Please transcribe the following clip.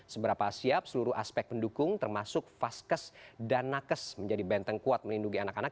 seberapa siap seluruh aspek pendukung termasuk vaskes dan nakes menjadi benteng kuat melindungi anak anak